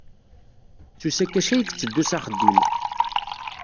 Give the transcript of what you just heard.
S usakac ay itteddu s axeddim?